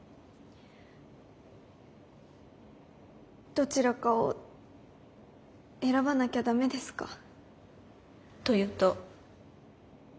どちらかを選ばなきゃ駄目ですか？というと？